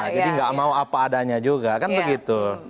jadi nggak mau apa adanya juga kan begitu